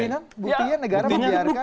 buktinya negara membiarkan masyarakat dan bukti